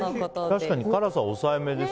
確かに辛さは抑えめです。